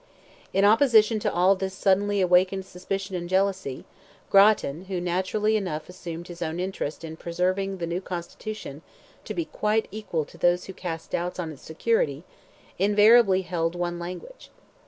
In opposition to all this suddenly awakened suspicion and jealousy, Grattan, who naturally enough assumed his own interest in preserving the new constitution to be quite equal to those who cast doubts on its security, invariably held one language.